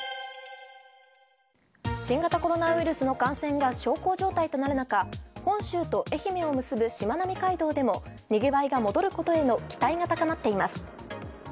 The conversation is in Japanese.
新型コロナウイルスの感染が小康状態となる中本州と愛媛を結ぶしまなみ海道でもにぎわいが戻ることへの期待が高まっています。